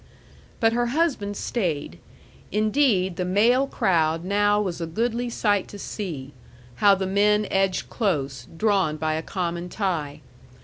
But her husband stayed. Indeed, the male crowd now was a goodly sight to see, how the men edged close, drawn by a common tie.